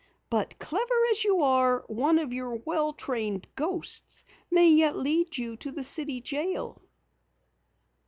But clever as you are, one of your well trained ghosts may yet lead you to the city jail!"